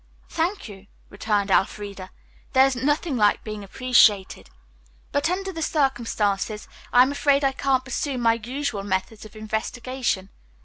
"Thank you," returned Elfreda. "There is nothing like being appreciated. But under the circumstances I am afraid I can't pursue my usual methods of investigation.